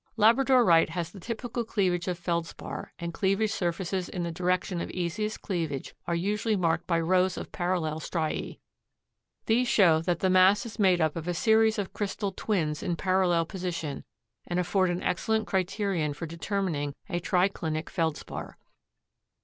Labradorite has the typical cleavage of Feldspar and cleavage surfaces in the direction of easiest cleavage are usually marked by rows of parallel striae. These show that the mass is made up of a series of crystal twins in parallel position and afford an excellent criterion for determining a triclinic Feldspar.